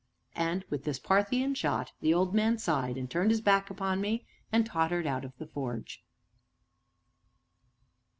And, with this Parthian shot, the old man sighed, and turned his back upon me, and tottered out of the forge.